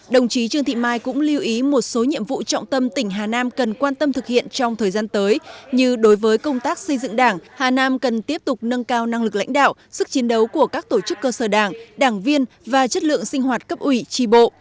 đồng chí trương thị mai cũng lưu ý một số nhiệm vụ trọng tâm tỉnh hà nam cần quan tâm thực hiện trong thời gian tới như đối với công tác xây dựng đảng hà nam cần tiếp tục nâng cao năng lực lãnh đạo sức chiến đấu của các tổ chức cơ sở đảng đảng viên và chất lượng sinh hoạt cấp ủy tri bộ